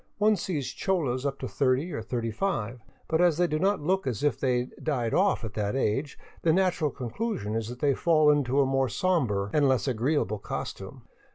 One sees cholas up to thirty or thirty five, but as they do not look as if they died off at that age, the natural conclusion is that they fall into a more somber and less agree able costume.